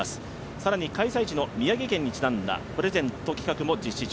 さらに開催地の宮城県にちなんだプレゼント企画も実施中。